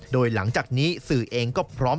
โดยหลังจากนี้สื่อเองก็พร้อม